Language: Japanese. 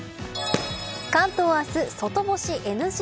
関東は明日、外干しＮＧ。